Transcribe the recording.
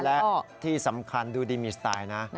และที่สำคัญดูดีมีสไตล์นะ